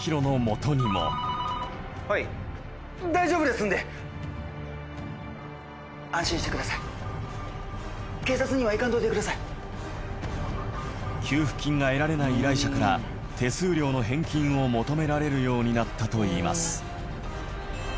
そして給付金が得られない依頼者から手数料の返金を求められるようになったといいます